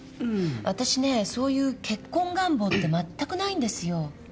わたしねそういう結婚願望ってまったくないんですよ。